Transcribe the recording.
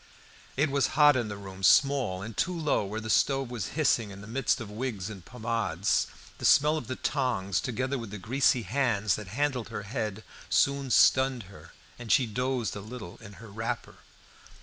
It was hot in the room, small, and too low where the stove was hissing in the midst of wigs and pomades. The smell of the tongs, together with the greasy hands that handled her head, soon stunned her, and she dozed a little in her wrapper.